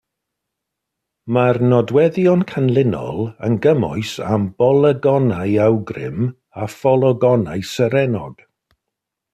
Mae'r nodweddion canlynol yn gymwys am bolygonau amgrwm a pholygonau serennog.